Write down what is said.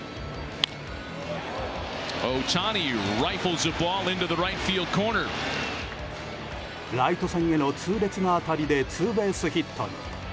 ライト線への痛烈な当たりでツーベースヒットに。